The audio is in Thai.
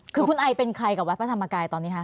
คือคุณไอเป็นใครกับวัดพระธรรมกายตอนนี้คะ